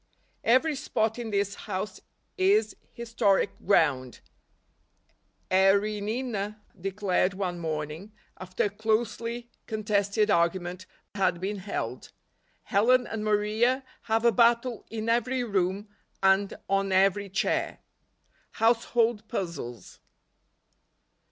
Every spot in this house is his¬ toric ground," Erinina declared one morn¬ ing, after a closely con tested argument had been held. u Helen and Maria have a bat¬ tle in every room and on every chair." Household Puzzles.